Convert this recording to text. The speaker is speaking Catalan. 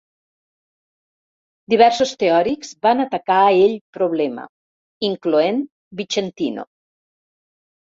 Diversos teòrics van atacar ell problema, incloent Vicentino.